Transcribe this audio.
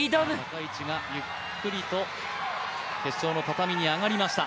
高市がゆっくりと決勝の畳に上がりました。